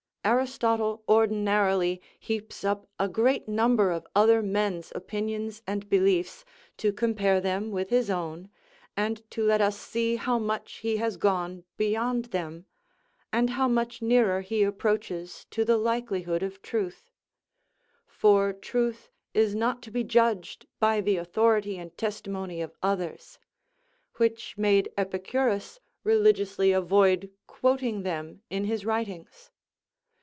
Aristotle ordinarily heaps up a great number of other men's opinions and beliefs, to compare them with his own, and to let us see how much he has gone beyond them, and how much nearer he approaches to the likelihood of truth; for truth is not to be judged by the authority and testimony of others; which made Epicurus religiously avoid quoting them in his writings.